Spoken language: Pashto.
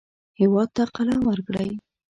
هېواد ته قلم ورکړئ